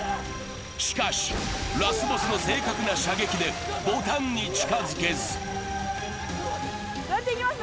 しかしラスボスの正確な射撃でボタンに近づけずどうやって行きます？